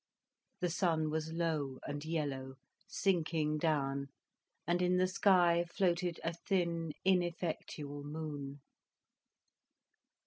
The sun was low and yellow, sinking down, and in the sky floated a thin, ineffectual moon.